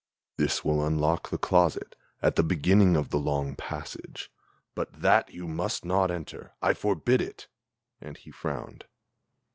"This will unlock the closet at the end of the long passage, But that you must not enter! I forbid it!" and he frowned.